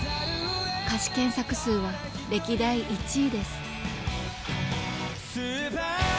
歌詞検索数は歴代１位です。